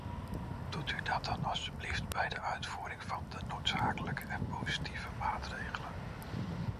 Doet u dat dan alstublieft bij de uitvoering van de noodzakelijke en positieve maatregelen.